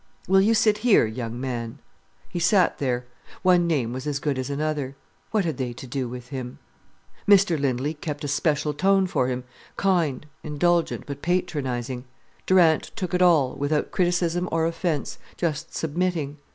"Will you sit here, young man?" He sat there. One name was as good as another. What had they to do with him? Mr Lindley kept a special tone for him, kind, indulgent, but patronizing. Durant took it all without criticism or offence, just submitting.